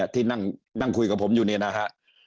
ที่นั่งคุยกับผมอยู่นี่นะฮะ